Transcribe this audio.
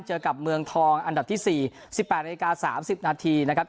เจอกับเมืองทองอันดับที่สี่สิบแปดนาฬิกาสามสิบนาทีนะครับ